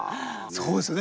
そうですね。